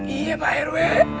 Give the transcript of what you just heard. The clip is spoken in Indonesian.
iya pak rw